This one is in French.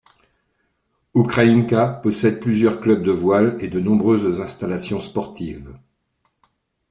Oukraïnka possède plusieurs clubs de voile et de nombreuses installations sportives.